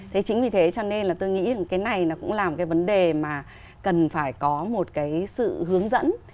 thế chính vì thế cho nên là tôi nghĩ cái này nó cũng là một cái vấn đề mà cần phải có một cái sự hướng dẫn